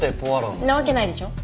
んなわけないでしょ。